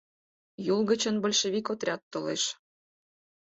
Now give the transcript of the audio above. Юл гычын большевик отряд толеш...